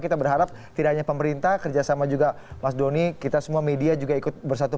kita berharap tidak hanya pemerintah kerjasama juga mas doni kita semua media juga ikut bersatu